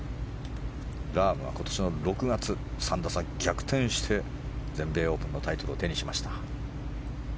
ラームは今年の６月３打差、逆転して全米オープンのタイトルを手にしました。